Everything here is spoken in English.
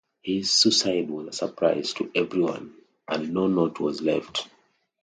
His suicide was a surprise to everyone and no note was left.